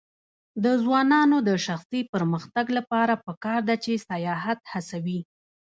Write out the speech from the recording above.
د ځوانانو د شخصي پرمختګ لپاره پکار ده چې سیاحت هڅوي.